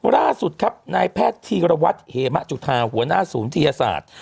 ล่าสุดครับนายแพทย์ธีรวัตรเหมะจุธาหัวหน้าศูนย์วิทยาศาสตร์